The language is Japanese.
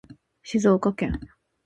静岡県